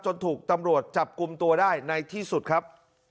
ถูกตำรวจจับกลุ่มตัวได้ในที่สุดครับ